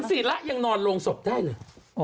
หุ่นศรีระยังนอนโรงสมพได้หรือ